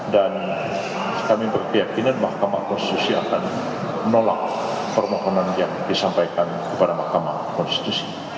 dan kami berkeyakinan mahkamah konstitusi akan menolak permohonan yang disampaikan kepada mahkamah konstitusi